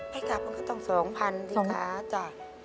ไปกลับออกจาก๒พันสิค่ะจ๊ะ